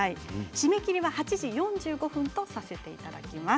締め切りは８時４５分とさせていただきます。